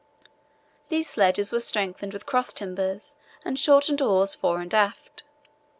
These sledges were strengthened with cross timbers and shortened oars fore and aft.